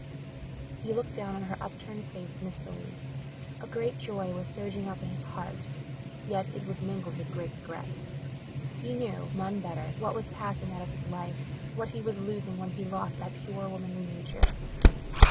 He looked down on her upturned face mistily. A great joy was surging up in his heart yet it was mingled with great regret. He knew none better what was passing out of his life, what he was losing when he lost that pure, womanly nature.